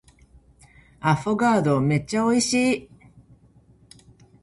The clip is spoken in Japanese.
アフォガードめっちゃ美味しい